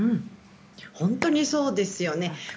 本当にそうですよね。